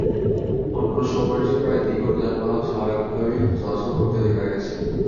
অন্য সময়ের চেয়ে প্রায় দ্বিগুণ যানবাহন স্বাভাবিকভাবেই চলাচল করতে দেখা গেছে।